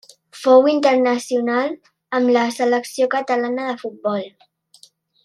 Fou internacional amb la selecció catalana de futbol.